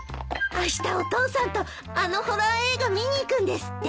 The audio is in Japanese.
あしたお父さんとあのホラー映画見に行くんですって？